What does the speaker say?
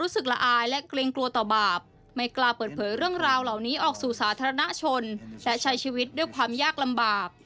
สาธารณะชนและใช้ชีวิตด้วยความยากลำบาบ